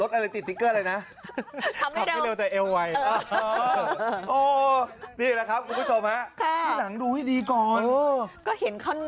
ตามมาอ่านข่าวข้อนี้โอเคขอโทษนะคะขอถ่ายรูปหน่อยค่ะ